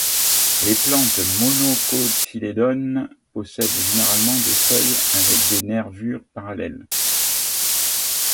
Les plantes monocotylédones possèdent généralement des feuilles avec des nervures parallèles.